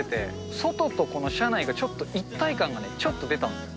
外とこの車内が、ちょっと一体感がね、ちょっと出たの。